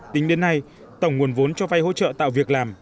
tính đến nay tổng nguồn vốn cho vay hỗ trợ tạo việc làm